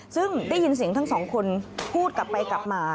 ซึ่งได้ยินเสียงทั้งสองคนพูดกลับไปกลับมา